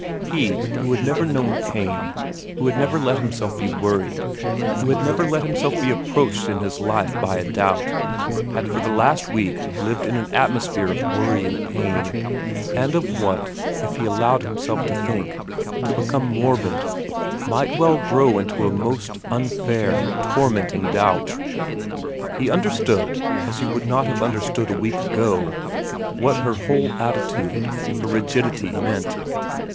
He who had never known pain, who had never let himself be worried, who had never let himself be approached in his life by a doubt, had for the last week lived in an atmosphere of worry and pain, and of what, if he allowed himself to think, to become morbid, might well grow into a most unfair, tormenting doubt. He understood, as he would not have under stood a week ago, what her whole attitude, her rigidity meant.